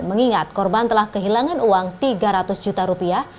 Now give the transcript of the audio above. mengingat korban telah kehilangan uang tiga ratus juta rupiah